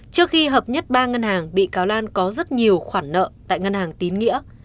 trước khi hợp nhất ba ngân hàng bị cáo lan có rất nhiều khoản nợ tại ngân hàng tín nghĩa